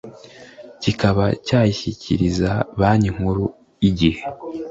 kikaba cyayishyikiriza banki nkuru igihe